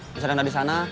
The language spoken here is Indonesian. diserang dari sana